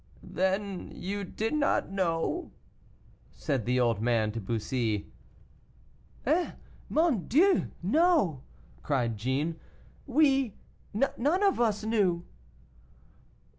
"Then you did not know?" said the old man to Bussy. "Eh, mon Dieu! no," cried Jeanne, "we none of us knew."